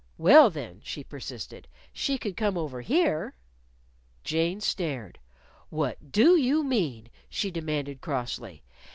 "Well, then," she persisted, "she could come over here." Jane stared. "What do you mean?" she demanded crossly.